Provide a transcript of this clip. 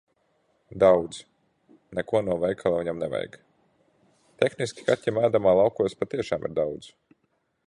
Daudz. Neko no veikala viņam nevajag. Tehniski kaķim ēdamā laukos patiešām ir daudz.